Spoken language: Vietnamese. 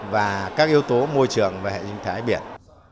và các yếu tố môi trường và hệ sinh thái biển